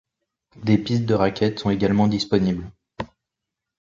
Des pistes de raquettes sont également disponibles.